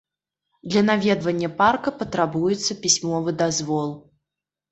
Для наведвання парка патрабуецца пісьмовы дазвол.